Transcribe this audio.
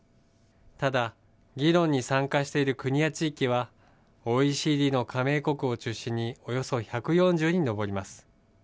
ただ、議論に参加している国や地域は、ＯＥＣＤの加盟国を中心に、およそ１４０に上ります。